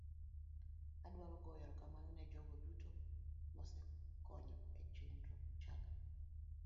adwaro goyo erokamano ne jogo duto mosekonyo e chenrono chakre